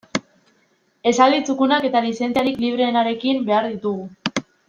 Esaldi txukunak eta lizentziarik libreenarekin behar ditugu.